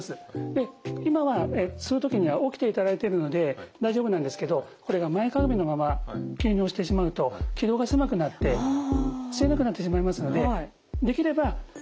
で今は吸う時には起きていただいているので大丈夫なんですけどこれが前かがみのまま吸入をしてしまうと気道が狭くなって吸えなくなってしまいますのでできれば姿勢は楽な姿勢で。